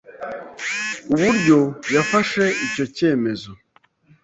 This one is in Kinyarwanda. uburyo yafashe icyo cyemezo